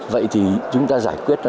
vậy thì chúng ta giải quyết nó